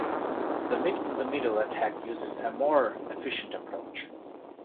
The meet-in-the-middle attack uses a more efficient approach.